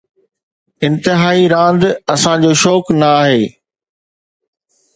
انتهائي راند اسان جو شوق نه آهي